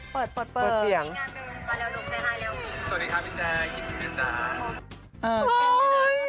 เปิดเปิดเสียง